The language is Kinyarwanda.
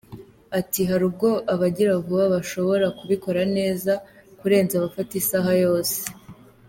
Ati “ Hari ubwo abagira vuba bashobora kubikora neza kurenza abafata isaha yose.